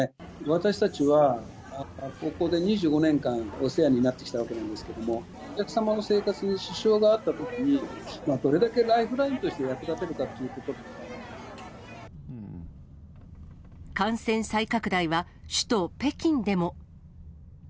私たちは、ここで２５年間、お世話になってきたわけなんですけれども、お客様の生活に支障があったときに、どれだけライフラインとして感染再拡大は首都北京でも。